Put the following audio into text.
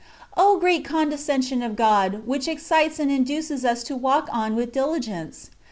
O great condescension of God ! which excites and induces us to walk on with diligence.